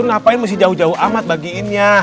ngapain mesti jauh jauh amat bagiinnya